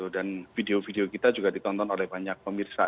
dan video video kita juga ditonton oleh banyak pemirsa